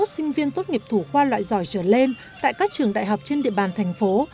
hai mươi sinh viên tốt nghiệp thủ khoa loại giỏi trở lên tại các trường đại học trên địa bàn thành phố